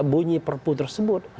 bunyi perpu tersebut